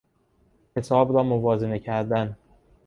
حساب را موازنه کردن